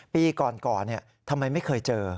ปีก่อนทำไมไม่เคยเจอ